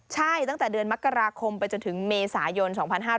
ใช่ตั้งแต่เดือนมกราคมไปจนถึงเมษายน๒๕๕๙